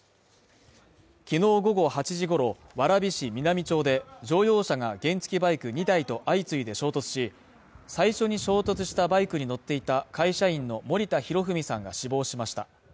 きのう午後８時ごろ、蕨市南町で、乗用車が原付バイク２台と相次いで衝突し、最初に衝突したバイクに乗っていた会社員の森田裕史さんが死亡しました。